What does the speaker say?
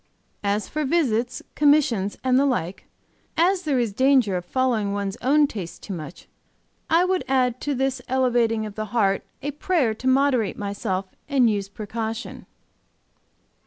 "As for visits, commissions and the like, as there is danger of following one's own taste too much, I would add to this elevating of the heart a prayer to moderate myself and use precaution.